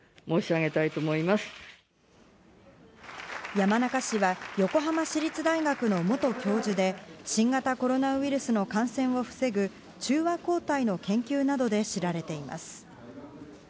山中氏は横浜市立大学の元教授で新型コロナウイルスの感染を防ぐ中和抗体の研究などで知られています。